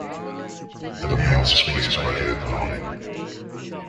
The male displays by head nodding.